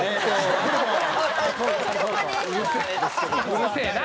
うるせえな！